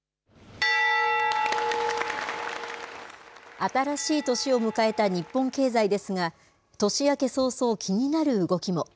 新しい年を迎えた日本経済ですが、年明け早々、気になる動きも。